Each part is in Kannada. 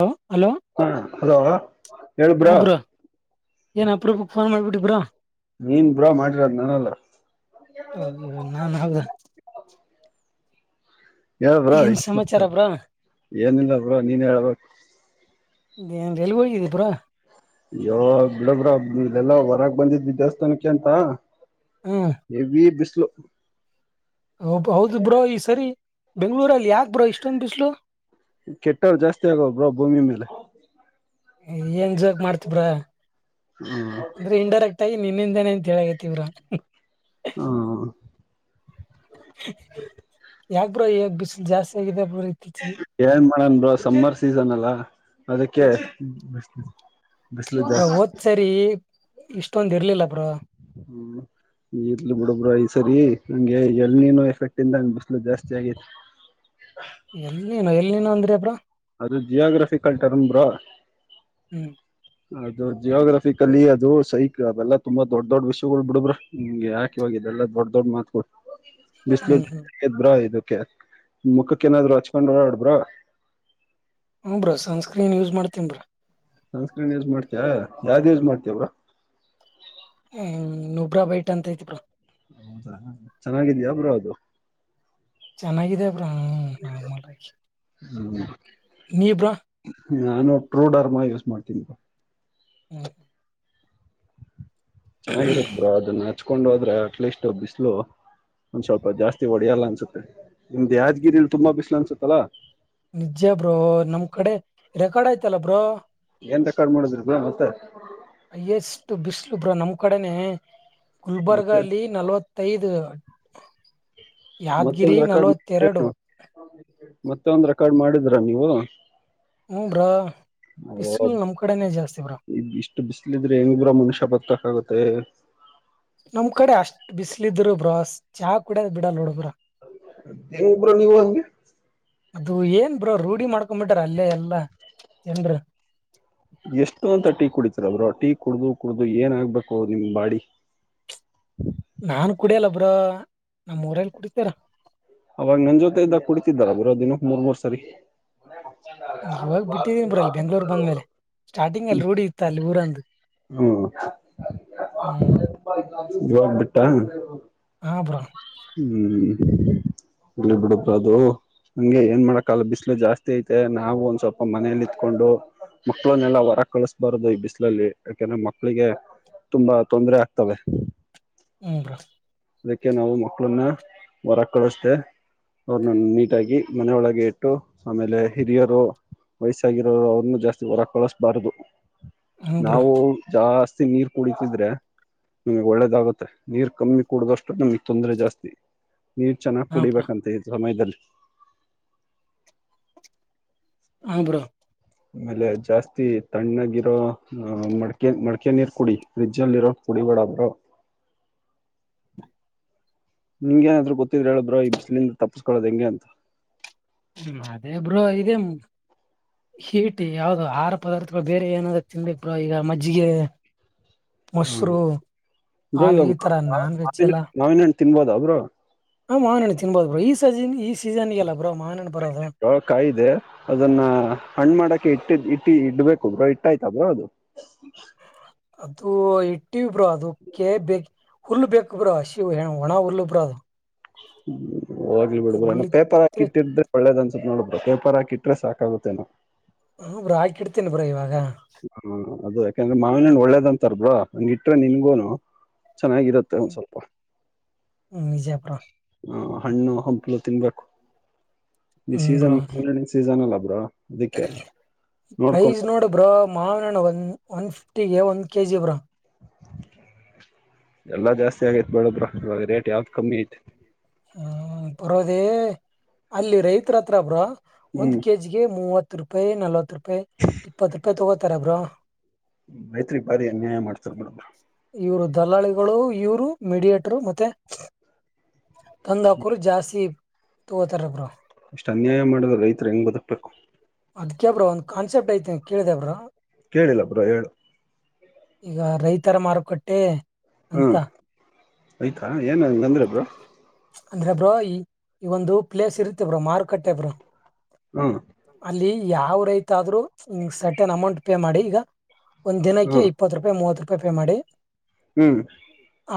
ಹಲೋ ಹಲೋ ಹ ಹಲೋ ಹೇಳು ಬ್ರೋ. ಏನ್ ಅಪರೂಪಕ ಫೋನ್ ಮಾಡ್ಬಿಟ್ಟೀರ ಬ್ರೋ. ನೀನ್ ಬುರಾ ಮಾಡಿರೋದ ನಾನಲ್ಲ ನಾನ್ ಹೌದಾ ಹೇಳಬ್ರಾ ಏನ್ ಸಮಾಚಾರ ಬ್ರೋ ಏನಿಲ್ಲ ಬ್ರ ನೀನ್ ಹೇಳ್ಬೇಕು ೇನ್ ಎಲ್ ಹಗ ಇದರಾ ಯಯ ಬಿಡಬ್ರ ಇಲ್ಲಲ್ಲಾ ಹೊರಾಗ ಬಂದಿದ್ವಿ ದೇವಸ್ಥಾನಕ್ಕೆ ಅಂತ ಎ ಇ ಬ ಹೌದು ಬ್ರೋ ಈ ಸರಿ ಬೆಂಗ್ಳೂರಲ್ಲಿ ಯಾಕ್ ಬರೋ ಇಷ್ಟೊಂದು ಬಿಸ್ಲು ಕೆಟ್ಟವ್ರು ಜಾಸ್ತಿ ಆಗ ಬ್ರ ಭೂಮಿ ಮೇಲೆ ಏನ್ ಜೋಕ್ ಮಾಡ್ತಬ್ರಾ ಹ್ಮ್ ಅಂದ್ರೆ ಇನ್ಂಡೈರೆಕ್ಟ್ಗ ನಿನ್ನಿಂದನ ಎಂತಗೇತಿವ್ರಾ ಹಾ ಯಾಕ ಬ್ರ ಈ ಬಿಸಿಲು ಜಾಸ್ತಿ ಆಗಿದೆ ಹರತಿಚ ನನ್ ಸಮ್ಮರ್ ಸೀಸನ್ ಅಲ್ಲ ಅದಕ್ಕೆ ಬಿಸಿಲು ಅ ಜಾಸ್ತಿ ಹಓದ್ ಸರಿ ಇಷ್ಟೊಂದ್ ಇರ್ಲಿಲ್ಲಪ್ರ ಈಲು ಬಿಡಬ್ರ ಈ ಸರಿ ಹಂಗೆ ಎಣನು ಎಫೆಕ್ಟ್ ಇಂದ ಹಂಗ ಬಿಸ್ಲು ಜಾಸ್ತಿ ಆಗೇತಿ ಎಲ್ಲಿನೋ ಎಲ್ಲಿನೋ ಅಂದ್ರಿ ಅಬ್ರಾ ಅದು ಜಿಯೋಗ್ರಫಿಕಲ್ ಟರ್ನ್ ಬಾ ಹ್ಮ್ ಅದು ಜಿಯೋಗ್ರಫಿಕಲಿ ಅದು ಸೈಕ್ ಅವೆಲ್ಲಾ ತುಂಬಾ ದೊಡ್ ದೊಡ್ ವಿಷಯಗಳು ಬಿಡಬ್ರ ನಿಮ್ಗೆ ಯಾಕೆಿವಾಗ ಇದೆಲ್ಲಾ ದೊಡ್ ದೊಡ್ ಮಾತ್ಗಳು ಹ್ಮ್ ಹ್ಮ್ ಬಿಸಿ್ಲು್ರ ಇದು ಮುಖಕ್ಕ ಏನಾದ್ರು ಹಚ್ಕೊಂಡ್ ಾಡ್ಬ್ರ ಹ ಬ್ರಾ ಸನ್ಸ್ಕ್ರೀನ್ ಯೂಸ್ ಮಾಡ್ತನ್ ಬ್ರಾ ಸಂಸ್ಕ್ರೀರಣ ಯೂಸ್ ಮಾಡ್ತಯ ಯಾವ್ದ್ ಯೂಸ್ ಮಾಡ್ತವ್ರ ಹ್ಮ ನೊಬ್ರ ಬೈಟ್ ಅಂತ ತಿ್ರ ಹೌದಾ ಚೆನ್ನಾಗಿದ್ಯಾಬ್ರ ಅದು ಚೆನ್ನಾಗಿದೆ ಹ ಹಾಮಲ ಹ್ಮ್ [unintelligible] ನಾನು ಟ್ರೋಡರ್ಮ ಯೂಸ್ ಮಾಡ್ತೀನಿ ಬ ಹ್ಮ್ ಚೆನ್ನಾಗಿರುತ್ತ ಅದನ್ನ ಹಚ್ಕೊಂಡು ಹೋದ್ರೆ ಅಟ್ಲೀಸ್ಟ್ ಬಿಸ್ಲು ಒಂದ್ ಸ್ವಲ್ಪ ಜಾಸ್ತಿ ಹೊಡೆಯಲ್ಲ ಅನ್ಸುತ್ತೆ ನಿಮ್ದ್ ಯಾದ್ಗಿರಿಲಿ ತುಂಬಾ ಬಿಸ್ಲು ಅನ್ಸುತ್ತಲ್ಲಾ ನಿಜ ಬ್ರೋ ನಮ್ ಕಡೆ ರೆಕಾರ್ಡ್ ಆಯ್ತಲ್ಲ ಬ್ರೋ ಎಂತ ಕಡ್ ಮಾಡುದ್ರಿ ಬ ಮತ್ತೆ ಅಯ್ಯಷ್ಟು ಬಿಸ್ಲುಬ್ರ ನಮ್ ಕಡೆನೆೇ ಗುಲ್ಬರ್ಗ ಅಲ್ಲಿ ನಲವತ್ತೈದು ಮತ್ತೊಂದ ರೆಕಾರ್ಡ್ ನಲ್ವತ್ತೆರಡು ಮತ್ತಂದ ಕಾಲ್ ಮಾಡಿದ್ರ ನೀವು ಹ್ಮ್ ಬ್ರೋ ಬಿಸಿಲು ನಮ್ ಕಡೆನೆ ಜಾಸ್ತಿ ಬ್ರೋ ಇಷ್ಟ ಬಿಸ್ಲಿದ್ರೆ ಹೆಂಗ ಬ್ರೋ ಮನುಷ್ಯ ಬತ್ತ [unintelligible] [unintelligible] ನಮ್ ಕಡೆ ಅಷ್ಟ್ ಬಿಸಲ ಇದರು ಬ್ರೋ ಚಾ ಕುಡಿಯೋದು ಬಿಡಲ್ ನೋಡು ಬ್ರೋ. ಎ ಉಬರ ನೀವ ಹಗೆ ಅದು ಏನ್ ಬ್ರೋ ರೂಢಿ ಮಾಡ್ಕೊಬಿಟ್ರ ಅಲ್ಲೇ ಎಲ್ಲಾ ಜನ್ರು. ಎಷ್ಟು ಅಂತ ಟೀ ಕುಡಿತ ಬ್ರೋ ಟೀ ಕುಡಿದು ಕುಡ್ದು ಏನ ಆಗ್ಬೇಕು ನಿಮ್ ಬಾಡಿ ನಾನ್ ಕುಡಿಯಲ್ಲ ಬ್ರೋ ನಮ್ಮ್ ಊರಲ್ಲಿ ಕುಡಿತಾರೆ. ಅವಾಗ ನನ್ ಜೊತೆ ಇದ್ದಾಗ ಕುಡಿತಿದ್ದಾದಲಾ. ದಿನಕ್ಕೆ ಮೂರ್ ಮೂರು ಸರಿ. ಇವಾಗ ಬಿಟ್ಟಿದೀನ ಬ್ರೋ ಅಲ್ಲಿ ಬೆಂಗ್ಳೂರ್ ಬಂದ್ಮೇಲೆ ಸ್ಟಾರ್ಟಿಂಗ್ ಅಲ್ಲಿ ರೂಡಿ ಇತ್ತ ಅಲ್ಲಿ ಊರಂದು ಹ್ಮ್ ಹ್ಮ್. ಜಾಬ್ ಬಿಟ್ಟ ಹ್ಮ್ ಹಾ ಬ್ರೋ ಹ ಇಲ್ಲಿ ಬಿಡಬದು ಹಂಗೆ ಏನ್ ಮಾಡಕ್ಕಲ್ಲ ಬಿಸ್ಲು ಜಾಸ್ತಿ ಐತೆ ನಾವು ಒಂದ್ ಸ್ವಲ್ಪ ಮನೇಲಿ ಇತ್ಕೊಂಡು ಮಕ್ಳನ್ನೆಲ್ಲ ಹೊರ ಕಳಸ್ಬಾರದು ಈ ಬಿಸಿಲಲ್ಲಿ ಯಾಕೆಂದ್ರೆ ಮಕ್ಳಿಗೆ ತುಂಬಾ ತೊಂದ್ರ ಆಗ್ತವೆ ಹ ಬ್ರೋ ಅದಕ್ಕೆ ನಾವು ಮಕ್ಕಳನ್ನ ಹೊರ ಕಳ ಮತ್ತ ಅವ್ರನ್ನ ನೀಟಾಗಿ ಮನೊಳಗೆ ಇಟ್ಟು ಆಮೇಲೆ ಹಿರಿಯರು ವಯಸ್ಸಾಗಿರೋರು ಅವ್ರನ್ನ ಜಾಸ್ತಿ ಹೊರ ಕೊಳಸ್ಬಾರದು ಹ್ಮ್ ಬ್ರೋ ನಾವು ಜಾಸ್ತಿ ನೀರ್ ಕುಡಿತಿದ್ರೆ ನಮಗೆ ಒಳ್ಳೇದಾಗುತ್ತೆ ನೀರ್ ಕಮ್ಮಿ ಕುಡುದಷ್ಟು ನಮಗ್ ತೊಂದ್ರರೆ ಜಾಸ್ತಿ ನೀರ್ ಹಾ ಬ್ರೋ ಕುಡಿಬೇಕಂತ ಈ ಸಮಯದಲ್ಲಿ ಹ ಬ್ರೋ ಆಮೇಲೆ ಜಾಸ್ತಿ ತಣ್ಣಗಿರೋ ಮಡಕೆ ಮಡ್ಕೆ ನೀರ್ ಕುಡಿ ಫ್ರಿಜ್ ಅಲ್ಲಿ ಇರೋ ಕುಡಿಬೇಡ ಬ್ರೋ ನಿಂಗ ಏನಾದ್ರು ಗೊತ್ತಿದ್ರೆ ಹೇಳ ಬ್ರೋ ಈ ಬಿಸಿಲಿಂದ ತಪ್ಪಸ್ಕೊಳ್ಳೋದ ಹೆಂಗೆ ಅಂತ ಹ್ಮ ಅದೇ ಬ್ರೋ ಇದೇ ಹೀಟ್ ಯಾವ್ದೋ ಆಹಾರ ಪದಾರ್ಥಗಳು ಬೇರೆ ಏನದ ತಿಿಂದಿ ಬ್ರೋ ಈಗ ಮಜ್ಜಿಗೆ ಮೊಸರು ಹಾಲು ಈ ತರ ನಾನ್ ವೆಜ್ ಎಲ್ಲ ಹಾ ನಿನ ತಿನ್ಬೋದಾ ಬ್ರೋ ಹಾ ಮಾ ನನ ತಿನ್ ಈ ಸಜನ್ ಈ ಸೀಸನ್ಗೆಲ್ಲ ಬ್ರೋ ಮಾವಿನಣ್ಣು ಬರೋದು ಅವಕಾಯದೆ ಅದನ್ನ ಹಣ್ಣ ಮಾಡಕ ಇಟ್ಟ ಇಟ್ಟಿ ಇಡ್ಬೇಕ ಬ್ರೋ ಇಟ್ಟಾಯ್ತ ಬ್ರೋ ಅದು ಅ ಇ [unintelligible] ಟಿ ಬೋ ಅದುಕ್ಕೆ ಬೇಕ್ ಹುಲ್ಲು ಬೇಕು ಬ್ರೋ ಹಸಿವುಗೆ ಒಣ ಹ ಬ್ರಾ ಅದು ಹ್ಮ ಹೋಗ್ಲಿ ಬಿಬ್ರಣ್ಣ ಹುಲ್ಲು ಪೇಪರ್ ಇದ್ರೆ ಹಾಕಿಟ್ಟಿದ್ರ ಒಳ್ಳೆದ ನೋಡ ಬ್ರೋ ಪೇಪರ್ ಹಾಕಿಟ್ರೆ ಸಾಕಾಗುತ್ತೆನ ಹ ಬ್ರೋ ಹಾಕಿ ಇಡ್ತೀನಿ ಬ್ರೋ ಇವಾಗ ಬ್ರೋ ಯಾಕೇಂದ್ರೆ ಮಾವಿನಹಣ್ಣು ಒಳ್ಳೇದ್ ಅಂತಾರ್ ಬ್ರೋ ಇಟ್ರೆ ನಿಮ್ಗೂನು ಚೆನ್ನಾಗಿರತ್ತೆ ಒಂದ್ ಸ್ವಲ್ಪ ಹ್ಮ್ ನಿಜ ಬ್ರೋ ಹಾ. ಹಣ್ಣು ಹಮ್ಪ್ಲವು ತಿನ್ಬೇಕು ಈ ಸೀಸನ್ ಓನ್ಲಿ ನಿನ್ ಸೀಸನ್ ಅಲ್ಲ ಬ್ರೋ ಹ ಪ್ರೈಜ್ ನೋಡು ಬ್ರೋ ಮಾವನ್ಹಣ್ಣು ಒನ್ ಒನ್ ಫಿಫ್ಟಿಗೆ ಒಂದ್ ಕೆಜಿ ಬ್ರೋ ಎಲ್ಲಾ ಜಾಸ್ತಿ ಆಗೈತ್ ಬಿಡು ಬ್ರೋ ಇವಾಗ ರೇಟ್ ಯಾವ್ದ್ ಕಮ್ಮಿ ಐತಿ ಹ್ಮ ಪಡೋದೇ ಅಲ್ಲಿ ರೈತ್ರ್ಹತ್ರ ಬ್ರೋ ಒಂದು್ ಹ್ಮ್ ಕೆಜಿಗೆ ಮೂವತ್ ಹತ್ರುಪಾಯಿ ನಲ್ವತ್ರೂಪಾಯಿ ಇಪ್ಪತ್ತು ರೂಪಾಯಿ ತಗೋತಾರೆ ಬ್ರೋ ಮೈತ್ರಿ ಭಾರಿ ಅನ್ಯಾಯ ಮಾಡ್ತಾರ್ ಬಿಡು ಬ್ರೋ ಇವ್ರು ದಲ್ಲಾಳಿಗಳು ಇವ್ರು ಮೀಡಿಯೇಟ್ರು ಮತ್ತೆ ತಂದ್ಹಾಕೋರು ಜಾಸೀಬ್ ತೊಗೊತಾರ್ ಬ್ರೋ ಇಸ್ಟ್ ಅನ್ಯಾಯ ಮಾಡುದು ರೈತೃ ಹೆಂಗ್ ಬದು ಬೇಕು ಅದ್ಕೆ ಬ್ರೋ ಒಂದ್ ಕಾನ್ಸೆಪ್ಟ್ ಐತೆ ಕೇಳಿದ್ಯಾ ಬ್ರೋ ಕೇಳಿಲ್ಲ ಬ್ರೋ ಹೇಳು ಉತ್ತರ ಮಾರುಕಟ್ಟೇ ಅಂತ ಹ್ಮ್ ಆಯ್ತಾ ಏನ್ ಹಂಗಂದ್ರೆ ಬ್ರೋ ಅಂದ್ರೆ ಬ್ರೋ ಈ ಈ ಒಂದು ಪ್ಲೇಸ್ ಇರುತ್ತೆ ಬ್ರೋ ಮಾರುಕಟ್ಟೆ ಬ್ರೋ ಹ್ಮ್ ಅಲ್ಲೀ ಯಾವ್ ರೈತಾದ್ರೂ ಸರ್ಟನ್ ಅಮೌಂಟ್ ಪೇ ಮಾಡಿ ಈಗ ಒಂದಿನಕ್ಕೆ ಹ್ಮ್ ಇಪ್ಪತ್ತ್ರುಪಾಯಿ ಮೂವತ್ತ್ರು ಫೋನ್ ಪೇ ಮಾಡಿ ಹ್ಮ್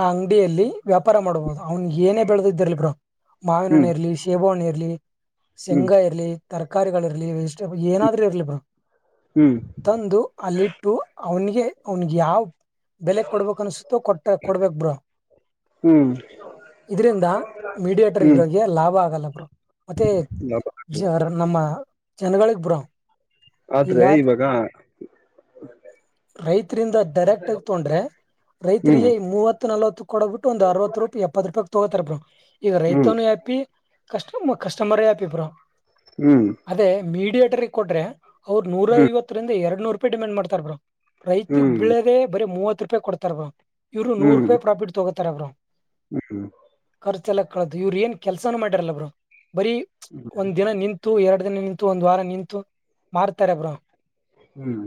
ಆ ಅಂಗಡಿಯಲ್ಲಿ ವ್ಯಾಪಾರ ಮಾಡ್ಬೊದು ಅವಂಗೆನೇ ಏನೇ ಬೆಳ್ದಿದ್ ಇರ್ಲಿ ಬ್ರೋ ಮಾವಿನ್ ಹಣ್ ಹ್ಮ್ ಇರ್ಲಿ ಶೇಬೊ ಹಣ್ ಇರ್ಲಿ ಲೀ ಶೆಂಗ ಇರ್ಲೀ ತರಕಾರಿಗಳು ಇರ್ಲಿ ವೆಜಿಟೇಬಲ್ ಏನಾದ್ರರು ಇರ್ಲಿ ಬ್ರೋ ಹ್ಮ್ ತಂದು ಅಲ್ಲಿಟ್ಟು ಅವನಿಗೆ ಅವನಿಗೆ ಯಾವ ಬೆಲೆ ಕೊಡ್ಬೇಕಕ್ ಅನ್ಸುತ್ತೋ ಕೊಟ ಕೊಡ್ಬೇಕೇಕ್ ಬ್ರೋ ಹ್ಮ್ ಹ್ಮ್ ಇಲ್ಲಿಂದ ಹ್ಮ್ ಮೀಡಿಯೇಟರ್ಗೆ ಲಾಭ ಆಗಲ್ಲ ಬ್ರೋ ಮತ್ತೆ ಲಾಭ ವಿಜಿ ಆಗ್ಬೋದು. ಅವರ ನಮ್ಮ ಜನಗಳಿಗೆ ಬ್ರೋ ಈಗ ಆದ್ರೆ ಇವಾಗ ರೈತರಿಂದ ಡೈರೆಕ್ಟ್ ಆಗ ತೊಗೊಂಡ್ರೆ ಹ್ಮ್ ರೈತರಿಗೆ ಮೂವತ್ತು ನಲ್ವತ್ತು ಕೊಡಬ ಬಿಟ್ಟ ಒಂದು ಅರವತ್ತು ರೂಪಾಯಿ ಇಂದ ಎಪ್ಪತ್ತು ರೂಪಾಯಿ ತೊಗತರ ಬ್ರೋ ಈಗ ಹ್ಮ್ ರೈತನು ಹ್ಯಾಪಿ ಕಷ್ಟ ಕಷ್ಟಮರಾ ಹ್ಯಾಪಿ ಬ್ರೋ ಹ್ಮ್ ಮೀಡಿಯೇಟರ್ಗೆ ಕೊಡ್ರೆ ಅವರು ನೂರ ಹ್ಮ್ ಐವತ್ತರಿಂದ ಎರಡು ನೂ ರೂಪಾಯ ಡಿಮ್ಯಾಂಡ್ ಮಾಡ್ತಾರೆ ಬ್ರೋ ರೈತಗ ಹ್ಮ್ ಬೀಳದೆೇ ಬರೀ ಮೂವತ್ತು ಹತ್ತು ರೂಪಾಯಿ ಕೊಡ್ತಾರ ಬ್ರೋ ಇವರು ನೂರು ರೂಪಾಯಿ ಪ್ರಾಫಿಟ್ ತಗೋತಾರೆ [unintelligible] ಬ್ರೋ ಹ್ಮ. ಕರ್ಚ್ ಎಲ್ಲಾ ಕಳೋದು ಇವ್ರು ಏನ್ ಕೆಲಸನೆ ಮಾಡಿರಲ್ಲ ಬ್ರೋ. ಬರೀ ಒಂದ್ ದಿನ ನಿಂತ್ ನಿಂತು ಎರಡು ದಿನ ನಿಂತು ಒಂದ್ ವಾರ ನಿಂತು ಮಾರ್ತಾರೆ ಬ್ರೋ. ಹ್ಮ್.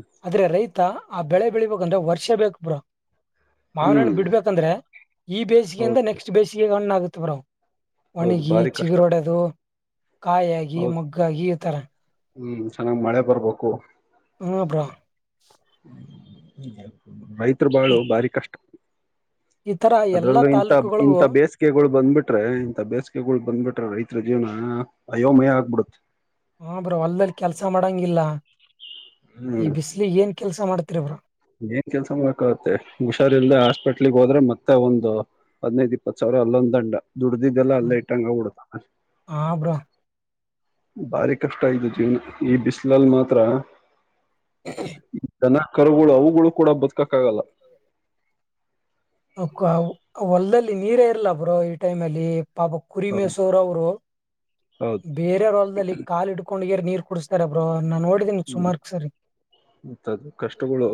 ಮತ್ತ ಆ ಬೆಳೆ ಬೆಳಿಬೇಕಂದ್ರೆ ವರ್ಷ ಬೇಕು ಬ್ರೋ. ಮಾವ್ನಹಣ್ಣು ಹ್ಮ್ ಬಿಡ್ಬೇಕಂದ್ರೆ ಈ ಹೌದು ಬೇಸಿಗೆಯಿಂದ ನೆಕ್ಸ್ಟ್ ಈಗ ಹಣ್ಣಗುತ್ತೆ ಬ್ರೋ ಹೌದು ಒಣಿಗಿ ಭಾರಿ ಕಷ್ಟ ಚಿಗುರೊಡೆದು ಕಾಯಾಗಿ ಹೌದು ಮೊಗ್ಗಾಗಿ ಈ ತರ ಹ್ಮ್ ಚೆನ್ನಾಗ್ ಮಳೆ ಬರ್ಬೇಕು ಹೂ ಬ್ರೋ. ಬೈತ ಅ ತರ ಬಾಳು ಬಾರಿ ಕಷ್ಟ ಈ ತರ ಎಲ್ಲಾ ಅದ್ರಲ್ಲೂ ಇಂತ ಇಂತ ತಾಲೂಕುಗಳಿಗೂ ಬೇಸಿಗೆಗಳು ಬಂದ್ಬಿಟ್ರೆ ಇಂತ ಬೇಸಿಗೆಗಳು ಬಂದ್ಬಿಟ್ರೆ ರೈತರ ಜೀವನ ಅಯ್ಯೋ ಮಯ ಆಗ್ಬಿಡುತ್ತೆ ಹ ಬ್ರೋ ಅಲ್ಲಲ್ಲಿ ಕೆಲ್ಸ ಮಾಡಂಗಿಲ್ಲ. ಹ್ಮ್ ಈ ಬಿಸಿಲಿ ಏನ್ ಕೆಲ್ಸ ಮಾಡ್ತ ತತ್ತತ್ರೆ್ರ ಏನ್ ಕೆಲ್ಸ ಮಾಡಕ್ ಆಗತ್ತೆ ಹುಷಾರ್ಲ್ದೆ ಹಾಸ್ಪೆಟ್ಲ್ಗ್ ಹೋದ್ರೆ ಮತ್ತೆ ಮತ್ತ ಒಂದು ಹಧ್ನೈಧ್ ಇಪ್ಪತ್ತು ಸಾವಿರ ಅಲ್ಲೊಂದ ದಂಡ ದುಡ್ದಿದ್ದಲ್ಲ ಅಲ್ಲೇ ಇಟ್ಟಿಗೆ ಆಗಿಬಿಡುತ್ತೆ ಹಾ ಬ್ರೋ ಭಾರಿ ಕಷ್ಟ ಇದ್ದು ಜೀವನ ಈ ಬಿಸಿಲಲ್ ಮಾತ್ರ ಇಂತನ ಕರ್ಗುಗಳುವು ಕೂಡ ಬದುಕಕ್ಕ ಆಗಲ್ಲ ಹೊಲದಲ್ಲಿ ನೀರೇ ಇರ್ಲ ಬ್ರೋ ಈ ಟೈಮ್ ಅಲ್ಲಿ ಪಾಪ ಹೌದು ಕುರಿಮಸೂರ್ ಅವರು ಹೌದು ಬೇರೆ ರಲ್ದಲ್ಲಿ ಕಾಲು ಇಡ್ಕೊಂಡ ನೀರ್ ಕುಡಸ್ತಾರ ಬ್ರೋ ನೋ ಹ್ಮ್ ಮತ್ತದ ಕಷ್ಟಗಳು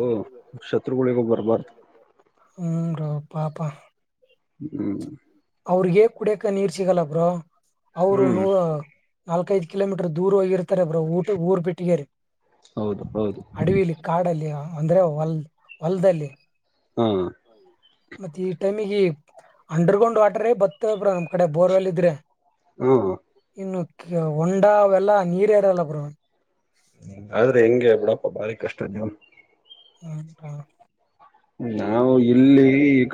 ಶತ್ರುಗಳಗಬ ಬರಬರ್ದು ಹ್ಮ ರೋ ಪಾಪಾ ಹ್ಮ ಅವ್ರಿಗೆ ಹೇಕ್ ಕುಡಿಯಕ ನೀರ್ ಸಿಗಲ್ಲ ಬ್ರೋ ಅವರು ಹ್ಮ್ ನೋ ನಾಲ್ಕ ಐದು ಕಿಲೋಮೀರ್ ದೂರ ಹೋಗಿ ಬ್ರೋ ಊಟ ಊರ್ ಬಿಟ್ಟಿಗೆರಿ ಹೌದು ಹೌದು ಅಡವಿಲಿ ಕಾಡಲ್ಲಿ ಅಂದ್ರೆ ಹೊಲ್ ಹೊಲ್ದಲ್ಲಿ ಹ್ಮ್ ಮತ್ತ ಈ ಟೈಮಿಗೆ ಅಂಡರ್ ಗ್ರೌಂಡ್ ವಾಟರ್ ಬರ್ತವೆ ಬ್ರಾ ನಮ್ ಕಡೆ ಬೋರ್ವೆಲ್ ಇದ್ರೆ ಹಾ ಇನ್ನು ಹೊಂಡ ಅವೆಲ್ಲಾ ನೀರ ಇರಲ್ಲ ಬ್ರೋ ಆದ್ರೆ ಹೆಂಗೆ ಬುಡಪ್ಪ ಬಾರಿ ಕಷ್ಟ್ದಜೀವನ ಹ್ಮ ಹಾ ನಾವು ಇಲ್ಲಿ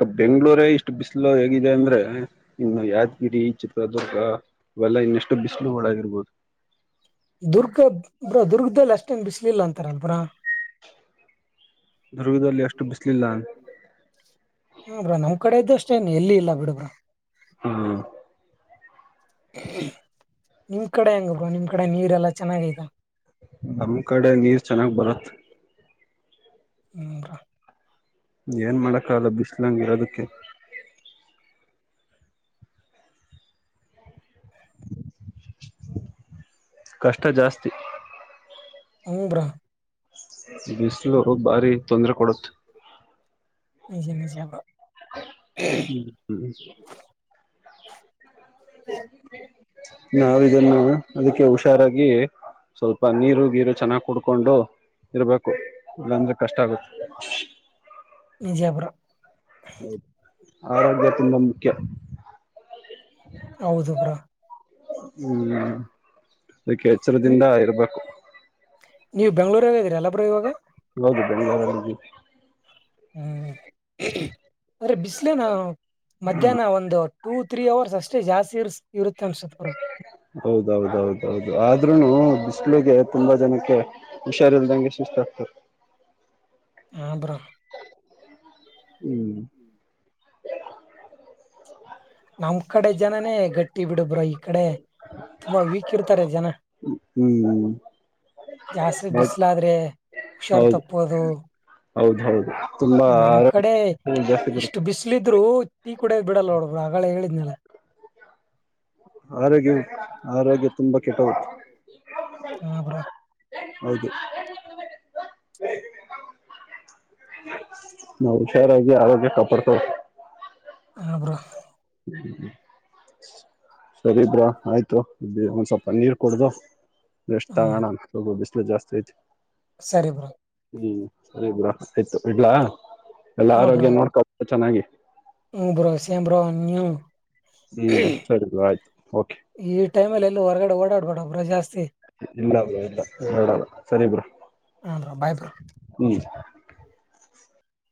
ಅ ಬೆಂಗ್ಗಳೂರ ಇಷ್ಟು ಬಿಸಿಲು ಹೇಗಿದೆ ಅಂದ್ರೆ ಇನ್ನು ಯಾದಗಿರಿ ಚಿತ್ರದುರ್ಗ ಇವೆಲ್ಲ ಇನ್ನೆಷ್ಟು ಬಿಸಿಲು ಒಳಗರ್ಬೋದು ದುರ್ಗ ಬ್ರೋ ದುರ್ಗದಲ್ಲಿ ಅಷ್ಟೇನ್ ಬಿಸ್ಲಿಲ್ಲ ಅಂತಾರಲ್ ಬ್ರೋ ದುರ್ಗದಲ್ಲಿ ಎಷ್ಟು ಬಿಸಲಿಲ್ಲ ಹ್ಮ ಬ್ರಾ ನಮ್ ಕಡೆ ಇದ್ದ ಅಷ್ಟೇ ಎಲ್ಲಿ ಇಲ್ಲಾ ಬಿಡಬ್ರಾ ಹ್ಮ್ ನಿಮ್ ಕಡೆ ಹೆಂಗ ಬ್ರೋ ನಿಮ್ ಕಡೆ ನೀರೆಲ್ಲಾ ಚೆನ್ನಾಗೈತ ನಮ್ಮ್ ಕಡೆ ನೀರ್ ಚೆನ್ನಾಗ್ ಬರತ್ ಉಂಗ್ರಾ ಏನ್ ಮಾಡಕ್ಕಾಗಲ್ಲ ಬಿಸ್ಲಂಗ ಇರದಕ್ಕೆ ಕಷ್ಟ ಜಾಸ್ತಿ ಹೂ ಬ್ರೋ ಬಿಸಿಲು ಬಾರಿ ತೊಂದರೆ ಕೊಡುತ್. ನಿಜೆ ನಿಜ ಬ್ರೋ ಹ್ಮ್ ಹ್ಮ ನಾವ ಇದನ್ನು ಅದಕ್ಕೆ ಹುಷಾರಾಗಿ ಸ್ವಲ್ಪ ನೀರು ಗೀರು ಚೆನ್ನಾಗಿ ಕುಡ್ಕೊಂಡು ಇರ್ಬೇಕು ಇಲ್ಲಾಂದ್ರೆ ಕಷ್ಟ ಆಗುತ್ತೆ ವಿಜಯಪುರ ಆರೋಗ್ಯ ತುಂಬಾ ಮುಖ್ಯ ಹೌದು ಬ್ರೋ. ಹ್ಮ್ ಅದಕ್ಕೆ ಎಚ್ಚರದಿಂದ ಇರ್ಬೇಕು ನ್ಯೂ ಬೆಂಗಳೂರಲ್ಲಿ ಇದ್ದೀರಲ್ಲ ಬ್ರೋ ಇವಾಗ ಹೌದು ಬೆಂಗಳೂರಲ್ಲಿದ್ದೀವಿ. ಹ್ಮ್ ಅ್ರೆ ಬಿಸ್ಲ ನಾು ಮಧ್ಯಾಹ್ನ ಒಂದು ಟೂ ತ್ರೀ ಅವರ್ಸ್ ಅಷ್ಟೇ ಜಾಸ್ತಿ ಇರ್ ಇರುತ್ತನಿಸುತ್ತ್ ಬ್ರೋ. ಹೌದೌದೌದೌದು ಆದ್ರೂನು ಬಿಸ್ಲಗೆ ತುಂಬಾ ಜನಕ್ಕೆ ಹುಷಾರಿಲ್ದಂಗೆ ಸುಸ್ತ ಆಗ್ತಾರೆ. ಹಾ ಬ್ರೋ ಹ್ಮ್ ನಮ್ ಕಡೆ ಜನನೇ ಗಟ್ಟಿ ಬಿಡ ಬ್ರ ಈ ಕಡೆ ತುಂಬಾ ವೀಕ್ ಇರ್ತಾರೆ ಜನ ಹ್ಮ್ ಜಾಸ್ತಿ ಹೌ ಬಿಸಿಲಾದ್ರೆ ಹುಷಾರ್ ಹೌದು ತಪ್ಪೋದು ಹೌದು ಹೌದು ತುಂಬಾ ನಮ್ ಕಡೆ ಆರೋಗ್ಯ ಜಾಸ್ತಿ ಇಷ್ಟು ಬರುತ್ತೆ ಬಿಸಿಲ ಇದ್ರು [unintelligible] ಹೇಳಿದ್ನಲ್ಲ ಆರೋಗ್ಯ ಆರೋಗ್ಯ ತುಂಬ ಕೆಟ್ಟ ಹೋಗುತ್ತೆ ಹ ಬ್ರೋ ಹೌದು ನಾವು ಹುಷಾರಾಗಿ ಆರೋಗ್ಯ ಕಾಪಾಡ್ತವೆ ಹಾ ಬ್ರೋ ಸರಿ ಬ್ರೋ ಆಯ್ತು ಒಂದ್ ಸ್ವಲ್ಪ ನೀರ್ ಕುಡಿದು ರೆಸ್ಟ್ ಹ್ಮ್ ತೊಗೊಳನ. [unintelligible] ಜಾಸ್ತ ಆಐತು ಸರಿ ಬ್ರೋ. ಹ್ಮ್ ಸರಿ ಬ್ರೋ ಆಯ್ತು ಇಡ್ಲಾ ಎಲ್ಲಾ ಆರೋಗ್ಯ ನೋಡ್ಕೋ ಚೆನ್ನಾಗಿ [unintelligible] ಹ ಬ್ರೋ ಸೇಮ್ ಬ್ರೋ ನ್ಯೂ ಹ್ಮ್ ಸರಿ ಆಯ್ತು ಓಕಯ್ ಈ ಟೈಮಲ್ಲಿ ಎಲ್ಲ ಹೊರಗಡೆ ಓಡಾಡ್ಬಡಬ್ರ ಜಾಸ್ತಿ ಇಲ್ಲ ಬ್ರೋ ಇಲ್ಲ ಓಡಾಡಲ್ಲ ಸರಿ ಬ್ರೋ ಹಾ ಬ್ರೋ ಬಾಯ್ ಬ್ರೋ ಹ್ಮ್.